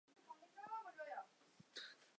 动画公司所属动画师兼董事。